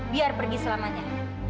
biar pergi selamanya